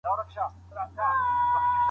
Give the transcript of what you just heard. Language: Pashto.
له لفظ څخه حاصل سوی مفهوم به قطعي وي.